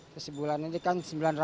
ke sebulan ini kan sembilan ratus